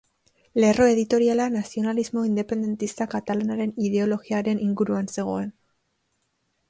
Lerro editoriala nazionalismo independentista katalanaren ideologiaren inguruan zegoen.